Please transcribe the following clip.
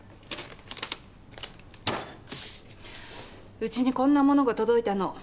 うちにこんなものが届いたの。